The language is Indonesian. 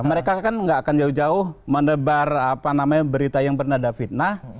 mereka kan nggak akan jauh jauh menebar berita yang bernada fitnah